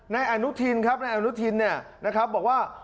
ในอนุทินครับในอนุทินนะครับบอกว่า